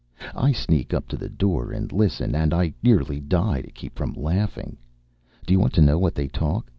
I sneak up to the door and listen, and I nearly die to keep from laughing. Do you want to know what they talk?